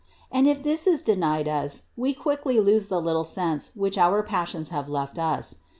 And if this is denied us, we quickly lose the little sense which our passions have left us.